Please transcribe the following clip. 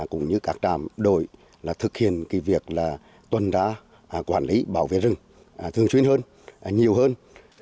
cũng như các trạm đội thực hiện việc tuần đã quản lý bảo vệ rừng thường xuyên hơn nhiều hơn